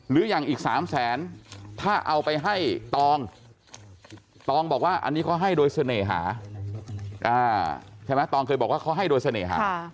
หรืออย่างอีก๓แสนถ้าเอาไปให้ตองตองบอกว่าอันนี้เขาให้โดยเสน่หาใช่ไหมตองเคยบอกว่าเขาให้โดยเสน่หา